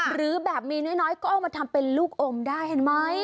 หรือแบบมีน้อยก็เอามาทำเป็นลูกอมได้เห็นไหม